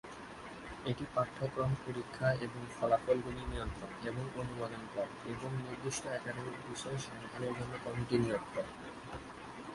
এটি পাঠ্যক্রম, পরীক্ষা এবং ফলাফলগুলি নিয়ন্ত্রণ এবং অনুমোদন করে এবং নির্দিষ্ট একাডেমিক বিষয়ে সন্ধানের জন্য কমিটি নিয়োগ করে।